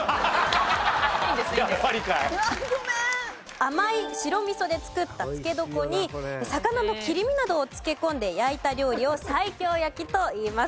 甘い白みそで作った漬け床に魚の切り身などを漬け込んで焼いた料理を西京焼きといいます。